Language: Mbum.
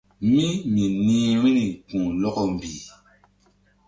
Mí mi nih vbi̧ri ku̧h lɔkɔ mbih.